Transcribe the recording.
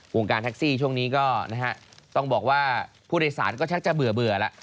วงการแท็กซี่ช่วงนี้ก็นะฮะต้องบอกว่าผู้โดยสารก็ชักจะเบื่อแล้ว